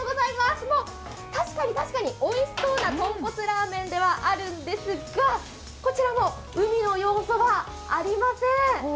確かに確かにおいしそうな豚骨ラーメンではあるんですが、こちらも海の要素がありません。